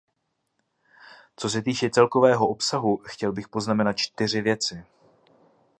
Co se týče celkového obsahu, chtěl bych poznamenat čtyři věci.